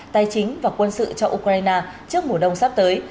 tài chính và quân sự cho ukraine trước mùa đông sắp tới